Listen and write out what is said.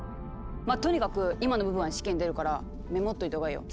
まあとにかく今の部分は試験に出るからメモっといたほうがいいよ。